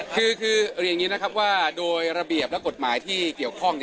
คือเรียนอย่างนี้นะครับว่าโดยระเบียบและกฎหมายที่เกี่ยวข้อง